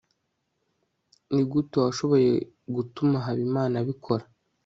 nigute washoboye gutuma habimana abikora